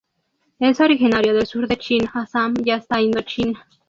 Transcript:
Es originario del sur de China, Assam y hasta Indochina.